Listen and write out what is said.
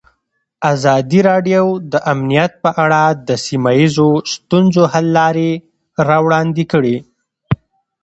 ازادي راډیو د امنیت په اړه د سیمه ییزو ستونزو حل لارې راوړاندې کړې.